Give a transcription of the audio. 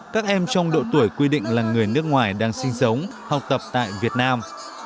các em trong độ tuổi quy định là người nước ngoài đang sinh sống học tập tại việt nam